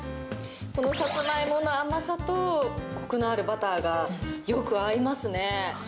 サツマイモの甘さとコクのあるバターがよく合いますね。